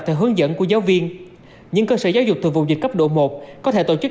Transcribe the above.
theo hướng dẫn của giáo viên những cơ sở giáo dục từ vùng dịch cấp độ một có thể tổ chức